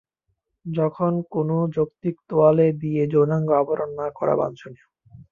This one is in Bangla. যখন কোনও যৌক্তিক তোয়ালে দিয়ে যৌনাঙ্গে আবরণ না করা বাঞ্ছনীয়।